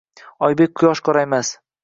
Oybek, Quyosh qoraymas